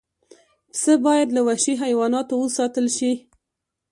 پسه باید له وحشي حیواناتو وساتل شي.